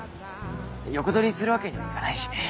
横取りするわけにもいかないしね。